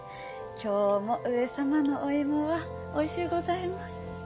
今日も上様のお芋はおいしゅうございもす。